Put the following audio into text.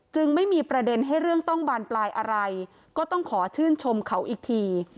ไม่มีประเด็นให้เรื่องต้องบานปลายอะไรก็ต้องขอชื่นชมเขาอีกที